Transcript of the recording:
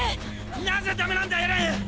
なぜダメなんだエレン⁉